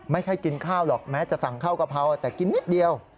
แค่กินข้าวหรอกแม้จะสั่งข้าวกะเพราแต่กินนิดเดียว